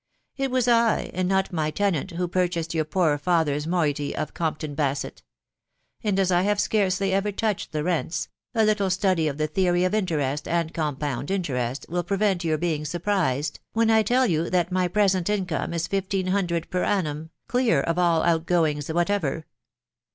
It was I, and not my tenant, who purchased your poor father's moiety of Compton Basett; and as I have scarcely ever to\A&£& tat tents, a Utile ttodjr of the theory of interest and. com^cwaA VoXetoft. ^fik. THE WIDOW BARNABY. $89 prevent your being surprised,, when I tell you that my present income is fifteen hundred per annum, clear of •all* outgoing* whatever."